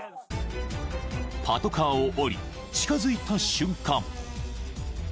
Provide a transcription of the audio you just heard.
［パトカーを降り近づいた瞬間］